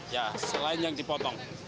ya selain yang dipotong